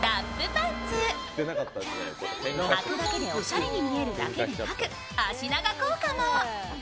はくだけでおしゃれに見えるだけでなく、脚長効果も。